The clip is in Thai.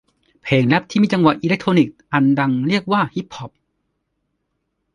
เพลงแร็พที่มีจังหวะอิเล็กทรอนิกส์อันดังเรียกว่าฮิปฮอป